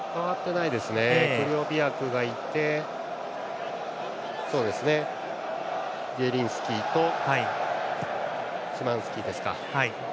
クリホビアクがいてジエリンスキとシマンスキですか。